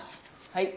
はい。